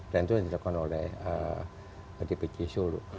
dan itu yang dilakukan oleh dpc sulu